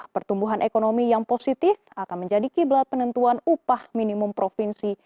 pertumbuhan ekonomi yang positif akan menjadi kiblat penentuan upah minimum provinsi